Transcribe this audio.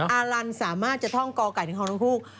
อาลันสามารถจะท่องกอไก่ถึงของทั้งคู่